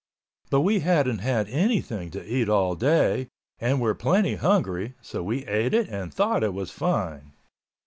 But we hadn't had anything to eat all day and were plenty hungry, so we ate it and thought it was fine.